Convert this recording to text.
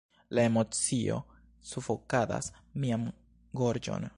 La emocio sufokadas mian gorĝon.